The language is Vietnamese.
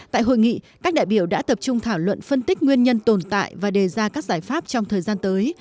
tại hội nghị các đại biểu đã tập trung thảo luận phân tích nguyên nhân tồn tại và đề ra các giải pháp trong thời gian tới